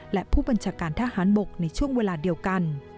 และผู้บัญชาการทหารบกในช่วงเวลาเดียวกัน